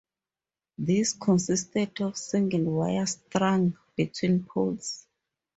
These consisted of single wires strung between poles.